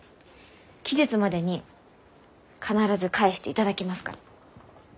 期日までに必ず返していただきますから。